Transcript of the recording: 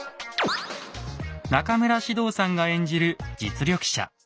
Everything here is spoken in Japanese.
中村獅童さんが演じる実力者